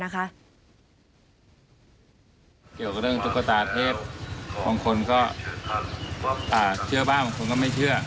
เกี่ยวกับเรื่องตุ๊กตาเทพบางคนก็เชื่อบ้างบางคนก็ไม่เชื่อ